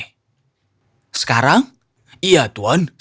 tuan ayo kita mandi di sungai